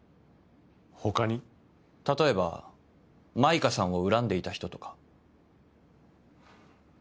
例えば舞歌さんを恨んでいた人とか